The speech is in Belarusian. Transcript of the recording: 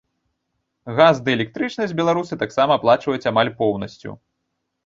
Газ ды электрычнасць беларусы таксама аплачваюць амаль поўнасцю.